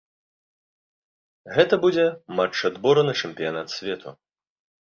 Гэта будзе матч адбору на чэмпіянат свету.